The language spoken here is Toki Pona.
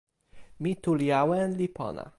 mi tu li awen li pona.